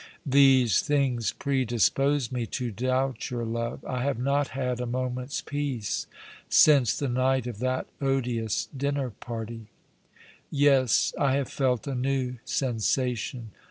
These things predisposed me to doubt yonr love. I have not had a moment's i^eace since the night of that odious dinner party. Yes; I have felt a new sensation.